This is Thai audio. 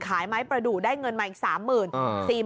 ไม้ประดูกได้เงินมาอีก๓๐๐๐บาท